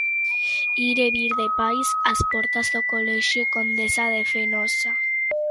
Ir e vir de pais ás portas do colexio Condesa de Fenosa.